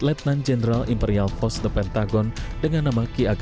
lieutenant general imperial force the pentagon dengan nama ki agarwala